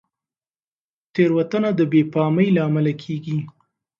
تېروتنه د بې پامۍ له امله کېږي.